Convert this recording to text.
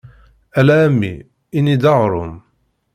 Ala a mmi, ini-d aɣrum.